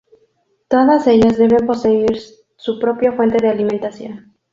Todas ellas deben poseer su propia fuente de alimentación.